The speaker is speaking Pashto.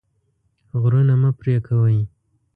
غرونه مه پرې کوئ.